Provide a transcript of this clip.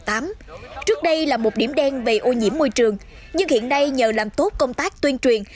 trước đây là một điểm đen về ô nhiễm môi trường nhưng hiện nay nhờ làm tốt công tác tuyên truyền